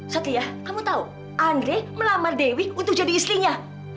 satya kamu tahu andre melamar dewi untuk jadi istrinya